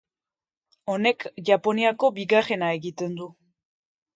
Honek Japoniako bigarrena egiten du.